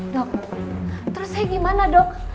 dok terus saya gimana dok